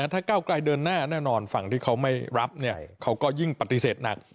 ถ้าก้าวไกลเดินหน้าแน่นอนฝั่งที่เขาไม่รับเขาก็ยิ่งปฏิเสธหนัก